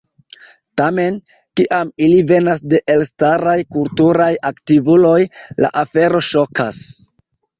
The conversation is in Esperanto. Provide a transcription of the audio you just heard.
Tamen, kiam ili venas de elstaraj kulturaj aktivuloj, la afero ŝokas.